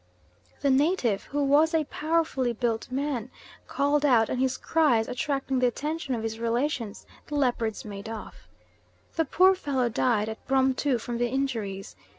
The native, who was a powerfully built man, called out, and his cries attracting the attention of his relations, the leopards made off. The poor fellow died at Bromtu from the injuries.